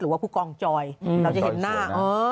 หรือว่าผู้กองจอยเราจะเห็นหน้า